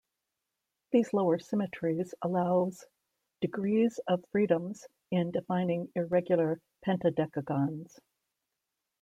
These lower symmetries allows degrees of freedoms in defining irregular pentadecagons.